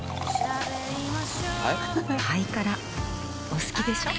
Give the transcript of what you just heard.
お好きでしょ。